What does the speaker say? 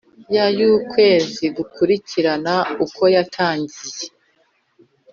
ya y ukwezi gukurikira uko yatangiye